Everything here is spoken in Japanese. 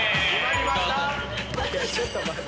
ちょっと待ってよ。